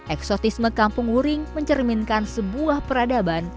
eksotisme kampung wuring mencerminkan sebuah peradaban